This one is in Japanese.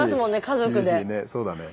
家族でね。